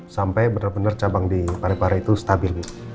sampai benar benar cabang di parepare itu stabil